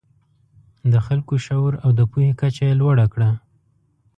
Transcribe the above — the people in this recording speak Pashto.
د خلکو شعور او د پوهې کچه یې لوړه کړه.